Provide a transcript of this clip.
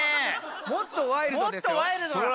もっとワイルドですよ。